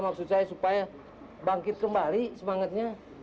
maksud saya supaya bangkit kembali semangatnya